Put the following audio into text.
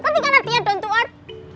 penting kan artinya don't to art